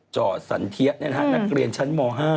จ่อสันเทียนักเรียนชั้นม๕